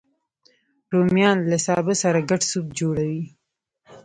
رومیان له سابه سره ګډ سوپ جوړوي